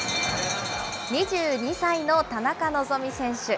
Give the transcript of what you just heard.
２２歳の田中希実選手。